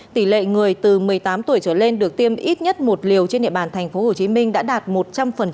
tỷ lệ người từ một mươi tám tuổi trở lên được tiêm ít nhất một liều trên địa bàn tp hcm đã đạt một trăm linh